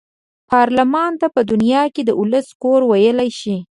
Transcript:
پارلمان ته په دنیا کې د ولس کور ویلای شي.